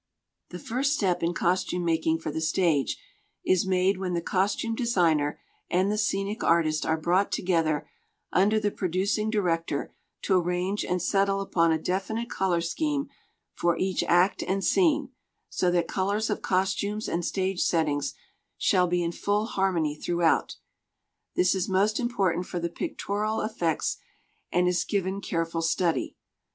166 The first step in costume making for the stage is made when the costume designer and the scenic artist are brought together under the producing director to arrange and settle upon a definite color scheme for each act and scene, so that colors of costumes and stage settings shall be in full harmony throughout. This is most important for the pictorial effects and is given careful study.